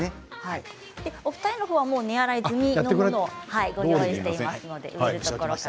お二人には根洗い済みのものを用意してあります。